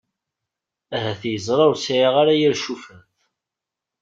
Ahat yeẓra ur sɛiɣ ara yir cufat!